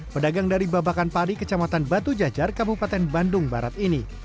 pedagang dari babakan pari kecamatan batu jajar kabupaten bandung barat ini